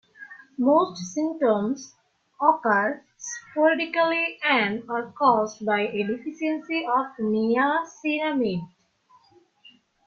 Most symptoms occur sporadically and are caused by a deficiency of niacinamide.